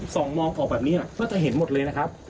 ส่องมองออกแบบนี้ก็จะเห็นหมดเลยนะครับ